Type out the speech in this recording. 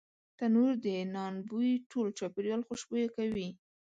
تنور د نان بوی ټول چاپېریال خوشبویه کوي